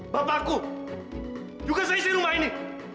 bapak aku juga seisi rumah ini